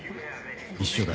一緒だ。